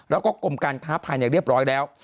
แล้วก็กรมการค้าภายในเรียบร้อยแล้ว